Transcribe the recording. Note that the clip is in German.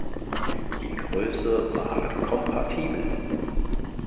Die Größe war kompatibel.